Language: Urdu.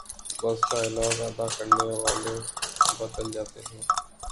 بس ڈائیلاگ ادا کرنے والے بدل جاتے ہیں۔